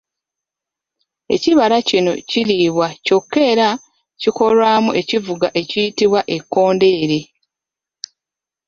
Ekibala kino kiriibwa kyokka era kikolwamu ekivuga ekiyitibwa ekkondeere.